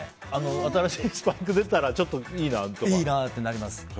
新しいスパイク出たらちょっといいなってなります。